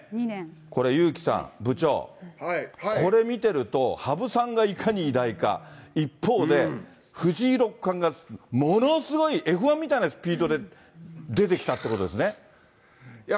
これ、ゆうきさん、部長、これ見てると、羽生さんがいかに偉大か、一方で、藤井六冠がものすごいＦ１みたいなスピードで出てきたってことでいや